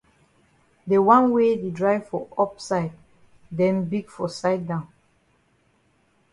De wan wey yi dry for up side den big for side down.